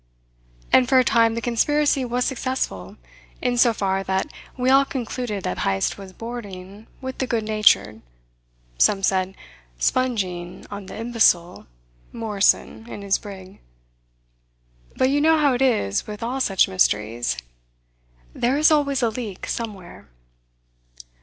And for a time the conspiracy was successful in so far that we all concluded that Heyst was boarding with the good natured some said: sponging on the imbecile Morrison, in his brig. But you know how it is with all such mysteries. There is always a leak somewhere.